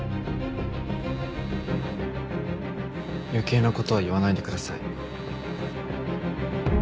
余計な事は言わないでください。